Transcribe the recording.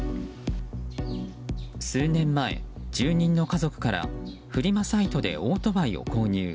数年前、住人の家族からフリマサイトでオートバイを購入。